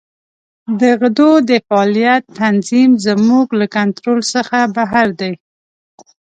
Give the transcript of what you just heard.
د غدو د فعالیت تنظیم زموږ له کنترول څخه بهر دی.